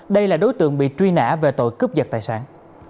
đây là đối tượng bị truy nã về tội cướp giật tài sản